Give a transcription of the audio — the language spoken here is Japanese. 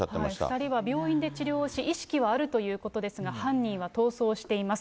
２人は病院で治療をして意識はあるということですが、犯人は逃走しています。